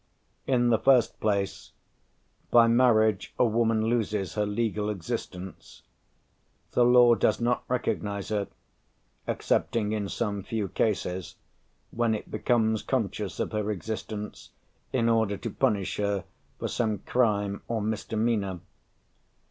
In the first place, by marriage a woman loses her legal existence; the law does not recognize her, excepting in some few cases, when it becomes conscious of her existence in order to punish her for some crime or misdemeanour.